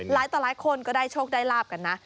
ต่อหลายคนก็ได้โชคได้ลาบกันนะ